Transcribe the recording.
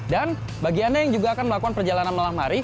dan bagi anda yang juga akan melakukan perjalanan malam hari